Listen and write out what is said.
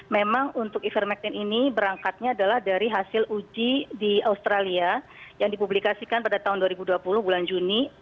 memang untuk ivermectin ini berangkatnya adalah dari hasil uji di australia yang dipublikasikan pada tahun dua ribu dua puluh bulan juni